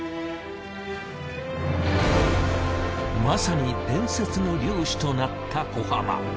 まさに伝説の漁師となった小浜。